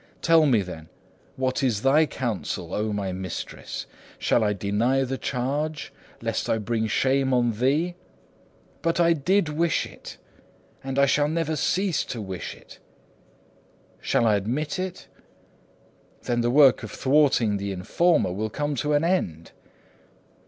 Tell me, then, what is thy counsel, O my mistress. Shall I deny the charge, lest I bring shame on thee? But I did wish it, and I shall never cease to wish it. Shall I admit it? Then the work of thwarting the informer will come to an end.